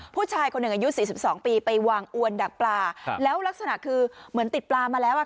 ผู้ชายคนหนึ่งอายุ๔๒ปีไปวางอวนดักปลาแล้วลักษณะคือเหมือนติดปลามาแล้วอ่ะ